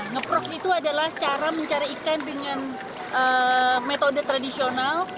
ngeprok itu adalah cara mencari ikan dengan metode tradisional